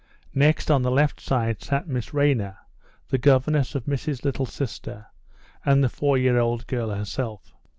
Next on the left side sat Miss Rayner, the governess of Missy's little sister, and the four year old girl herself.